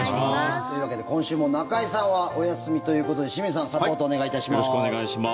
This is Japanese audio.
というわけで、今週も中居さんはお休みということで清水さんサポートお願いいたします。